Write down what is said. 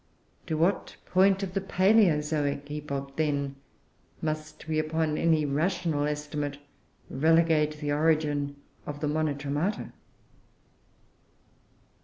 To what point of the Palaeozoic epoch, then, must we, upon any rational estimate, relegate the origin of the _Monotremata?